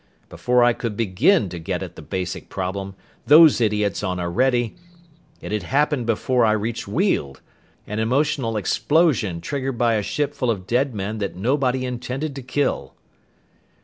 Before I could begin to get at the basic problem, those idiots on Orede It'd happened before I reached Weald! An emotional explosion triggered by a ship full of dead men that nobody intended to kill."